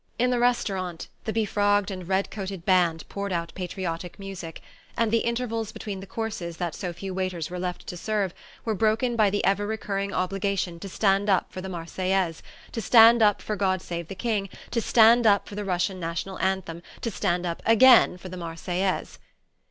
In the restaurant, the befrogged and red coated band poured out patriotic music, and the intervals between the courses that so few waiters were left to serve were broken by the ever recurring obligation to stand up for the Marseillaise, to stand up for God Save the King, to stand up for the Russian National Anthem, to stand up again for the Marseillaise.